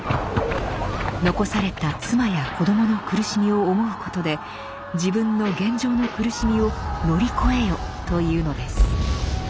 残された妻や子どもの苦しみを思うことで自分の現状の苦しみを乗り越えよと言うのです。